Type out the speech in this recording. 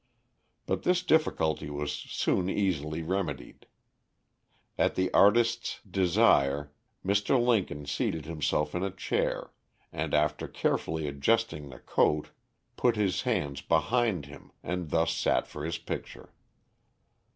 But this difficulty was soon easily remedied. At the Artist's desire, Mr. Lincoln seated himself in a chair, and after carefully adjusting the coat, put his hands behind him and thus sat for his picture.